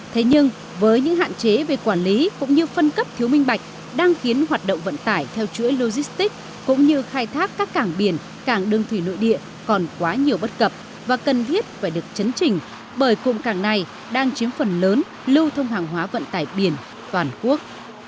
thế nhưng với những hạn chế về quản lý cũng như phân cấp thiếu minh bạch đang khiến hoạt động vận tải theo chuỗi logistics cũng như khai thác các cảng biển cảng đường thủy nội địa còn quá nhiều bất cập và cần thiết phải được chấn trình bởi cụm cảng này đang chiếm phần lớn lưu thông hàng hóa vận tải biển toàn quốc